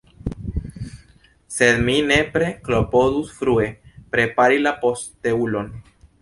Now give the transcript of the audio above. Sed mi nepre klopodus frue prepari la posteulon.